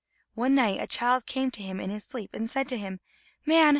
One night a child came to him in his sleep, and said to him: "Man!